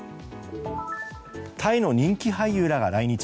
タイの人気俳優らが来日。